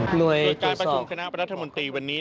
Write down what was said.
โดยการประชุมคณะรัฐมนตรีวันนี้